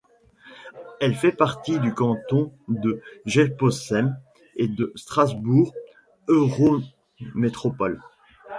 Elle fait partie du canton de Geispolsheim et de Strasbourg Eurométropole.